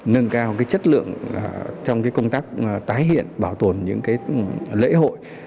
nâng cao chất lượng trong công tác tái hiện bảo tồn những lễ hội